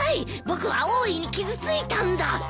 僕は大いに傷ついたんだ。